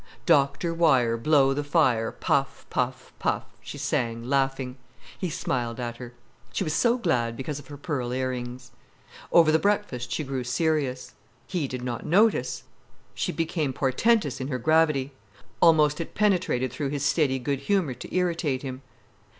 "Doctor Wyer, Blow the fire, Puff! puff! puff!" she sang, laughing. He smiled at her. She was so glad because of her pearl ear rings. Over the breakfast she grew serious. He did not notice. She became portentous in her gravity. Almost it penetrated through his steady good humour to irritate him.